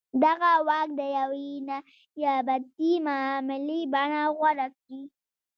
دغه واک د یوې نیابتي معاملې بڼه غوره کړې.